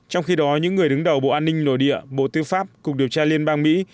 trong khi đó những người đứng đầu bộ an ninh nội địa bộ tư pháp cục điều tra liên bang mỹ